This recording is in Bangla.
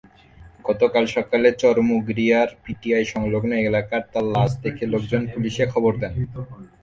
গতকাল সকালে চরমুগরিয়ার পিটিআইসংলগ্ন এলাকায় তাঁর লাশ দেখে লোকজন পুলিশে খবর দেন।